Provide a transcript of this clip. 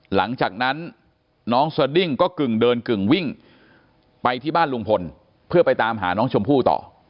หลังจากนั้นน้องสดิ้งก็กึ่งเดินกึ่งวิ่งไปที่บ้านลุงพลเพื่อไปตามหาน้องชมพู่ต่อ